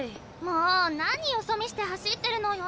もう何よそ見して走ってるのよ。